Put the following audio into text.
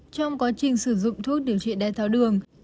trong quá trình sử dụng thuốc điều trị đai tháo đường